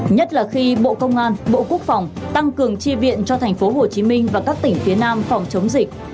nhất là khi bộ công an bộ quốc phòng tăng cường chi viện cho thành phố hồ chí minh và các tỉnh phía nam phòng chống dịch